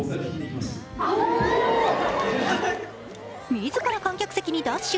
自ら観客席にダッシュ。